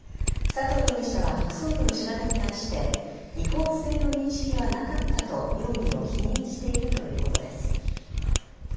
佐藤容疑者は特捜部の調べに対して、違法性の認識はなかったと容疑を否認しているということです。